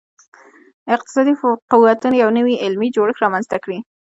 اقتصادي قوتونو یو نوی علمي جوړښت رامنځته کړي.